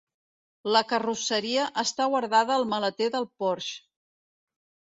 La carrosseria està guardada al maleter del Porsche.